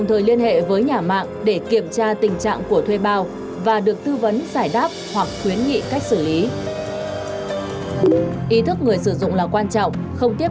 thì bên kia lại cũng tranh nhau đi ngược chiều